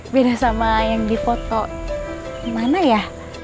beda sama yang di foto gimana ya